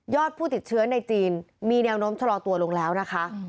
ผู้ติดเชื้อในจีนมีแนวโน้มชะลอตัวลงแล้วนะคะ